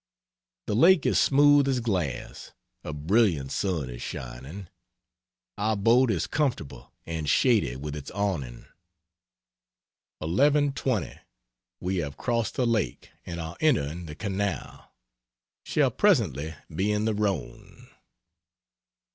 The lake is smooth as glass a brilliant sun is shining. Our boat is comfortable and shady with its awning. 11.20 We have crossed the lake and are entering the canal. Shall presently be in the Rhone.